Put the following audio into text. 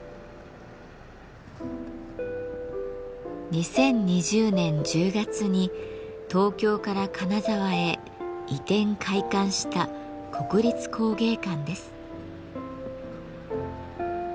２０２０年１０月に東京から金沢へ移転開館した国立工芸館です。